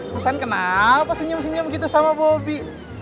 susan kenapa senyum senyum gitu sama bobby